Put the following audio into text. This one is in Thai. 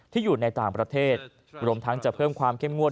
อยู่ในต่างประเทศรวมทั้งจะเพิ่มความเข้มงวด